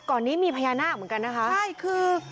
ก่อนนี้มีพญานาคเหมือนกันนะคะใช่คือ